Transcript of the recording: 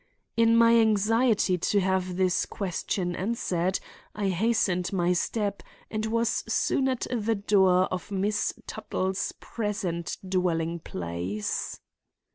In my anxiety to have this question answered I hastened my steps and was soon at the door of Miss Tuttle's present dwelling place.